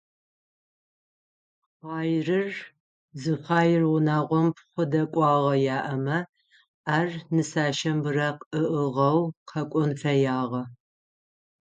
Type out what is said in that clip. Хъярыр зихъяр унагъом пхъу дэкӏуагъэ яӏэмэ, ар нысащэм быракъ ыӏыгъэу къэкӏон фэягъэ.